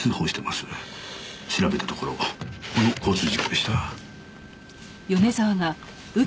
調べたところこの交通事故でした。